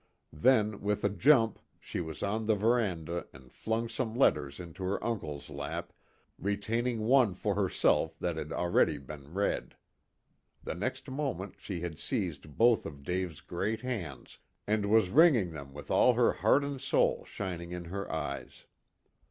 Then, with a jump, she was on the veranda and flung some letters into her uncle's lap, retaining one for herself that had already been read. The next moment she had seized both of Dave's great hands, and was wringing them with all her heart and soul shining in her eyes.